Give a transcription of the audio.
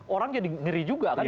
orang jadi ngeri juga kan